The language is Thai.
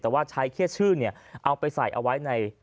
แต่ว่าใช้เครียดชื่อเอาไปใส่เอาไว้ใน